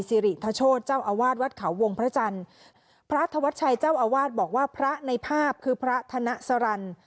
สิริทโชธเจ้าอาวาสวัดเขาวงพระจันทร์พระธวัชชัยเจ้าอาวาสบอกว่าพระในภาพคือพระธนสรรค์